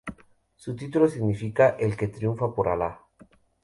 Su título significa: "El que triunfa por Alá".